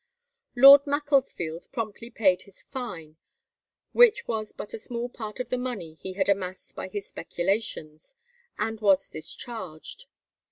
Lord Macclesfield promptly paid his fine, which was but a small part of the money he had amassed by his speculations, and was discharged.